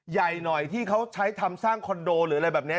ใหญ่หน่อยที่เขาใช้ทำสร้างคอนโดหรืออะไรแบบนี้